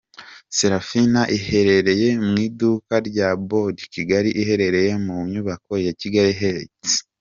Seraphina iherereye mu iduka rya Bold Kigali riherereye mu nyubako ya Kigali Heights.